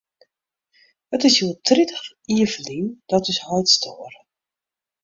It is hjoed tritich jier ferlyn dat ús heit stoar.